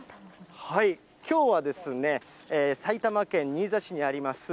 きょうはですね、埼玉県新座市にあります